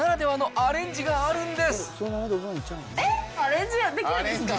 アレンジできるんですか？